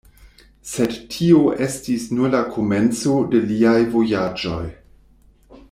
Sed tio estis nur la komenco de liaj vojaĝoj.